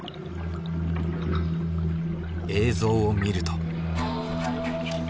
映像を見ると。